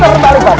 putar balik pak be